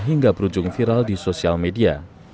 hingga berujung viral di sosial media